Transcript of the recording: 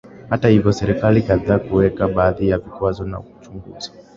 Hata hivyo serikali kadhaa huweka baadhi ya vikwazo au huchunguza